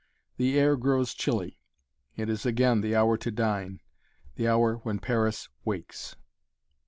The air grows chilly; it is again the hour to dine the hour when Paris wakes.